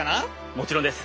もちろんです。